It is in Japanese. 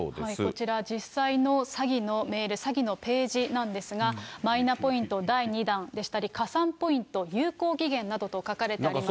こちら、実際の詐欺のメール、詐欺のページなんですが、加算ポイント有効期限などと書かれてあります。